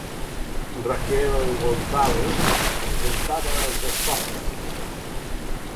Raquel González presentava els esports.